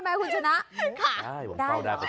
มีคนเรียกคุณมั้ย